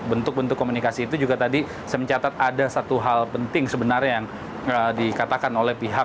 bentuk bentuk komunikasi itu juga tadi saya mencatat ada satu hal penting sebenarnya yang dikatakan oleh pihak